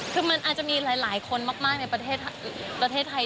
คือมันอาจจะมีหลายคนมากในประเทศไทย